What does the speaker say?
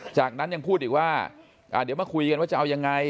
จากนั้นยังพูดอีกว่าเดี๋ยวมาคุยกันว่าจะเอายังไง